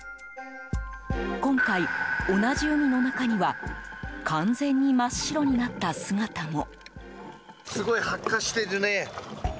今回、同じ海の中には完全に真っ白になった姿も。